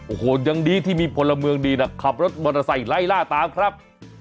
โอ้โหยังดีที่มีพลเมืองดีนะขับรถมอเตอร์ไซค์ไล่ล่าตามครับ